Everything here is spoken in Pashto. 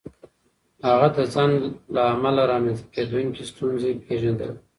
هغه د ځنډ له امله رامنځته کېدونکې ستونزې پېژندلې.